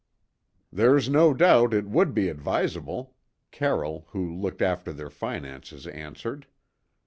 "There's no doubt it would be advisable," Carroll, who looked after their finances, answered.